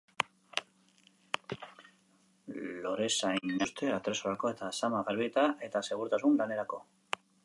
Lorezainak behar dituzte atrezzorako, eta zama, garbiketa eta segurtasun lanetarako.